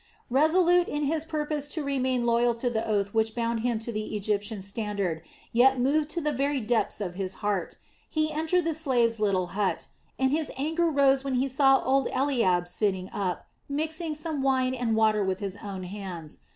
Resolute in his purpose to remain loyal to the oath which bound him to the Egyptian standard, yet moved to the very depths of his heart, he entered the slave's little hut, and his anger rose when he saw old Eliab sitting up, mixing some wine and water with his own hands.